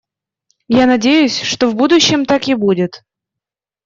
Я надеюсь, что в будущем так и будет.